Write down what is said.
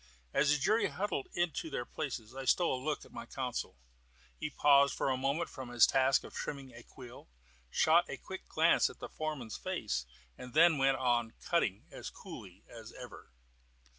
As the jury huddled into their places I stole a look at my counsel. He paused for a moment from his task of trimming a quill, shot a quick glance at the foreman's face, and then went on cutting as coolly as ever.